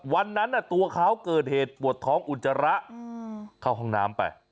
วันนั้นตัวเขาเกิดเหตุปวดท้องอุจจาระเข้าห้องน้ำไป